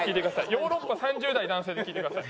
ヨーロッパ３０代男性で聞いてください。